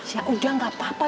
ya udah gak apa apa